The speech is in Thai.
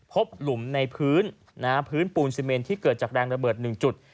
หลุมในพื้นพื้นปูนซีเมนที่เกิดจากแรงระเบิด๑จุด